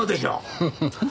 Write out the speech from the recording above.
フフフフ。